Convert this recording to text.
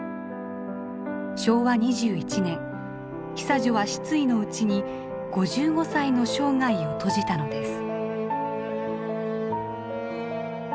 昭和２１年久女は失意のうちに５５歳の生涯を閉じたのです。